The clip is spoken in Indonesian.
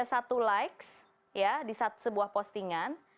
misalnya ada satu likes ya di sebuah postingan